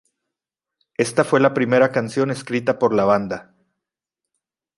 Esta fue la primera canción escrita por la banda.